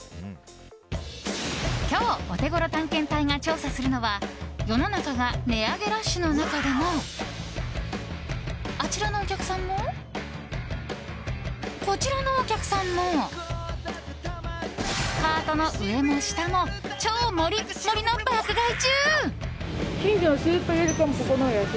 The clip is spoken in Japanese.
今日、オテゴロ探検隊が調査するのは世の中が値上げラッシュの中でもあちらのお客さんもこちらのお客さんもカートの上も下も超もりもりの爆買い中。